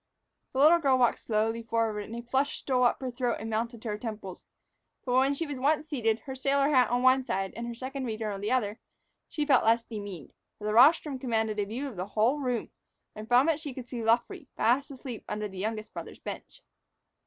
The little girl walked slowly forward, and a flush stole up her throat and mounted to her temples. But when she was once seated, her sailor hat on one side and her Second Reader on the other, she felt less demeaned; for the rostrum commanded a view of the whole room, and from it she could see Luffree, fast asleep under the youngest brother's bench.